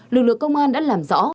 lực lượng công an đã làm rõ